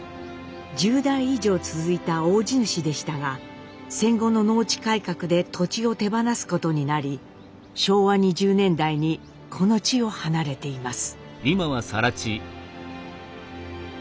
１０代以上続いた大地主でしたが戦後の農地改革で土地を手放すことになり昭和２０年代にこの地を離れています。